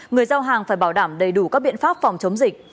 người giao hàng phải bảo đảm đầy đủ các biện pháp phòng chống dịch